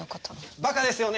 バカですよね